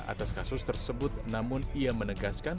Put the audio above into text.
atas kasus tersebut namun ia menegaskan